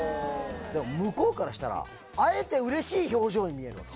向こうからしたら会えてうれしい表情に見えるわけ。